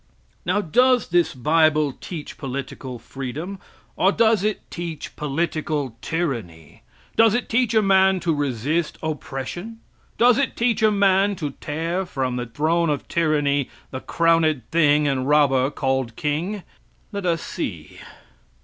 Now, does this bible teach political freedom; or does it teach political tyranny? Does it teach a man to resist oppression? Does it teach a man to tear from the throne of tyranny the crowned thing and robber called king. Let us see.